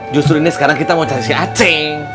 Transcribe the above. justru ini sekarang kita mau cari aceng